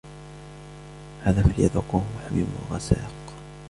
هَذَا فَلْيَذُوقُوهُ حَمِيمٌ وَغَسَّاقٌ